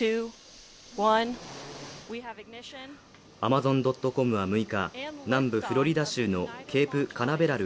アマゾン・ドット・コムは６日南部フロリダ州のケープカナベラル